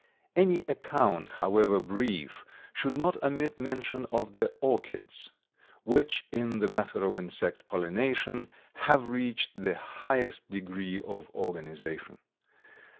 Any account, however brief, should not omit mention of the orchids, which in the matter of insect pollination have reached the highest degree of organization.